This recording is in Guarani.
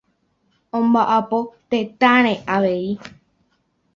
Omba'apo tetãre avei.